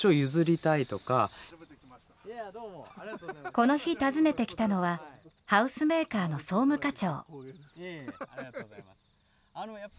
この日、訪ねてきたのはハウスメーカーの総務課長。